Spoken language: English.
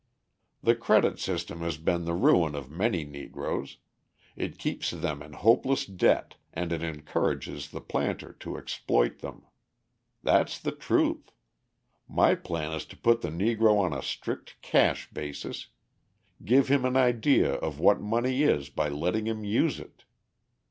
"The credit system has been the ruin of many Negroes. It keeps them in hopeless debt and it encourages the planter to exploit them. That's the truth. My plan is to put the Negro on a strict cash basis; give him an idea of what money is by letting him use it.